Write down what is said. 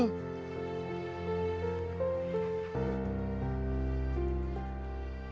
bukan udah itu pok